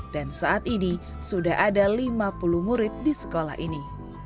dan saat ini sudah ada lima puluh murid di sekolah ini